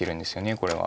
これは。